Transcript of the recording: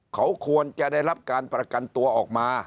เขาควรจะได้รับการประกันตัวออกมา